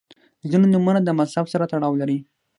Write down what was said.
• ځینې نومونه د مذهب سره تړاو لري.